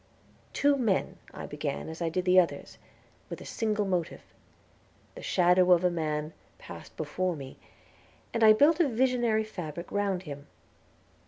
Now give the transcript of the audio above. "Two Men" I began as I did the others, with a single motive; the shadow of a man passed before me, and I built a visionary fabric round him.